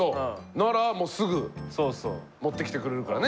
ならすぐ持って来てくれるからね